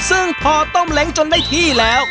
ซึ่งพอต้มเล้งจนได้ที่แล้ว